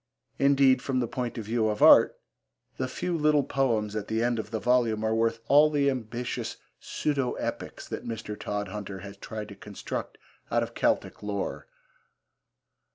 Indeed, from the point of view of art, the few little poems at the end of the volume are worth all the ambitious pseudo epics that Mr. Todhunter has tried to construct out of Celtic lore.